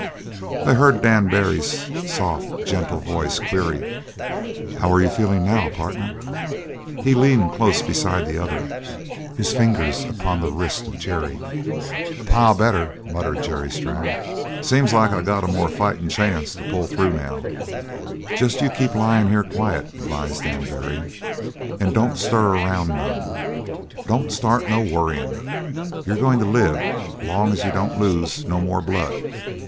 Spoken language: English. They heard Dan Barry's soft, gentle voice query: "How you feelin' now, partner?" He leaned close beside the other, his fingers upon the wrist of Jerry. "A pile better," muttered Jerry Strann. "Seems like I got more'n a fightin' chance to pull through now." "Jest you keep lyin' here quiet," advised Dan Barry, "and don't stir around none. Don't start no worryin'. You're goin' to live's long as you don't lose no more blood.